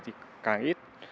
thì càng ít